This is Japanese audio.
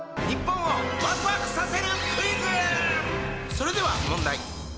それでは問題！